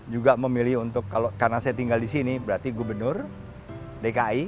juga memilih untuk kalau karena saya tinggal di sini berarti gubernur dki